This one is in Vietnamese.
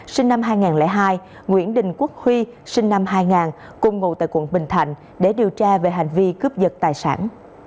sinh năm hai nghìn hai nguyễn đình quốc huy sinh năm hai nghìn cùng ngụ tại quận bình thạnh để điều tra về hành vi cướp giật tài sản